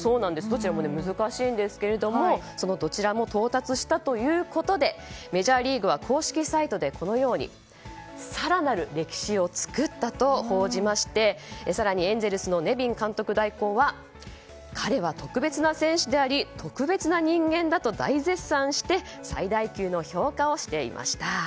どちらも難しいんですけれどそのどちらも到達したということでメジャーリーグは公式サイトで更なる歴史を作ったと報じまして更にエンゼルスのネビン監督代行は彼は特別な選手であり特別な人間だと大絶賛して最大級の評価をしていました。